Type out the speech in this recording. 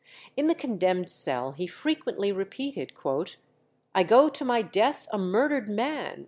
In the condemned cell he frequently repeated, "I go to my death a murdered man."